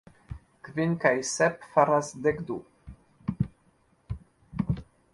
Kvin kaj sep faras dek du.